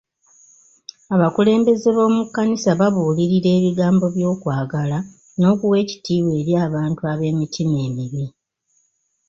Abakulembeze b'omu kkanisa babuulirira ebigambo by'okwagala n'okuwa ekitiibwa eri abantu ab'emitima emibi.